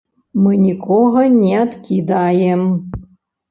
Мы нікога не адкідаем.